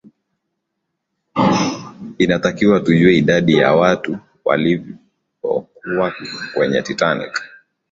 inatakiwa tujue idadi ya watu waliyokuwa kwenye titanic